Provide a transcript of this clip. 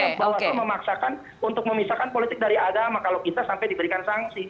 artinya bawas lu memaksakan untuk memisahkan politik dari agama kalau kita sampai diberikan sangsi